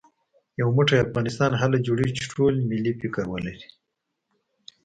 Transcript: يو موټی افغانستان هله جوړېږي چې ټول ملي فکر ولرو